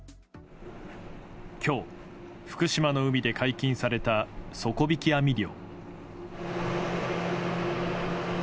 今日、福島の海で解禁された底引き網漁。